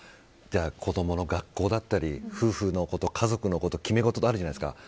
子供の学校だったり夫婦のこと、家族のこと決め事とあるじゃないですか。